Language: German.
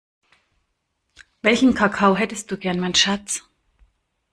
Welchen Kakao hättest du gern mein Schatz?